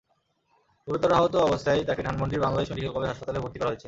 গুরুতর আহত অবস্থায় তাঁকে ধানমন্ডির বাংলাদেশ মেডিকেল কলেজ হাসপাতালে ভর্তি করা হয়েছে।